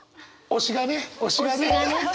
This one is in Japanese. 推しがね！